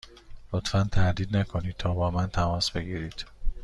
لطفا تردید نکنید تا با من تماس بگیرید.